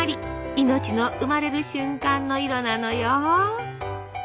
命の生まれる瞬間の色なのよ！